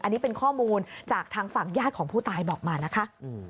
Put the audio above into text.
อันนี้เป็นข้อมูลจากทางฝั่งญาติของผู้ตายบอกมานะคะ